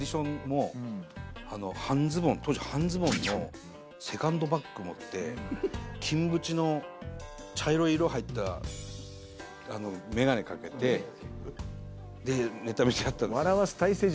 だから。も半ズボンのセカンドバッグ持って金縁の茶色い色入った眼鏡掛けてネタ見せやったんです。